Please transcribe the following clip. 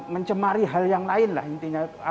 mencemari hal yang lainlah intinya